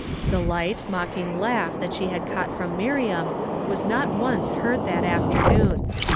The light, mocking laugh that she had caught from Miriam was not once heard that afternoon.